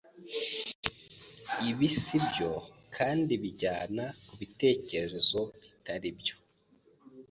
Ibi si byo kandi bijyana ku bitekerezo bitari byo